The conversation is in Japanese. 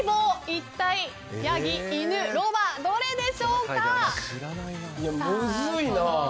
一体ヤギ、犬、ロバどれでしょうか。